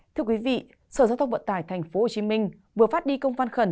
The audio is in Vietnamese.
thưa quý vị sở giáo thông vận tải tp hcm vừa phát đi công văn khẩn